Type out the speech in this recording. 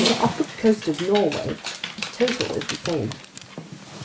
Off the coast of Norway, the total is the same."